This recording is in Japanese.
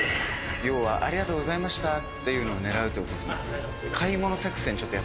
要は「ありがとうございました」っていうのを狙うってことですね